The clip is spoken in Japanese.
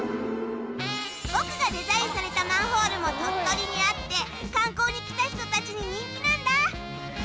僕がデザインされたマンホールも鳥取にあって観光に来た人たちに人気なんだ！